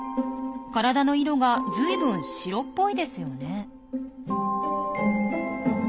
体の色がずいぶん白っぽいですよね。